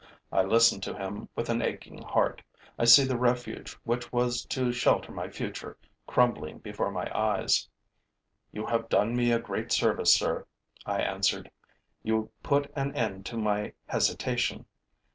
I listen to him with an aching heart; I see the refuge which was to shelter my future crumbling before my eyes: 'You have done me a great service, sir,' I answered. 'You put an end to my hesitation.